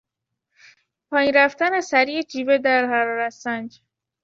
پایین رفتن سریع جیوه در حرارت سنج